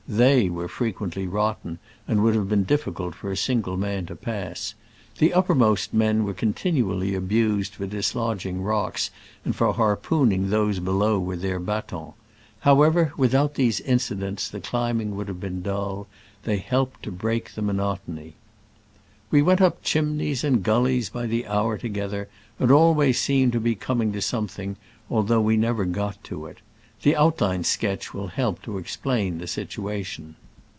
TAey were frequently rot ten, and would have been difficult for a single man to pass. The uppermost men were continually abused for dis lodging rocks and for harpooning those below with their batons. However, without these incidents the climbing would have been dull : they helped to break the monotony. We went up chimneys and gullies by the hour together, and always seemed to be coming to something, although we never got to it. The outline sketch will help to explain the situation.